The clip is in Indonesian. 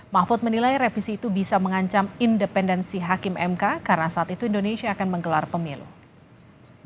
mahfud menilai revisi itu bisa mengancam independensi hakim mk karena saat itu indonesia akan menggelar pemilu